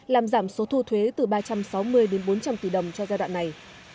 làm giảm số thu thuế từ ba trăm sáu mươi đến bốn trăm linh tỷ đồng cho giai đoạn này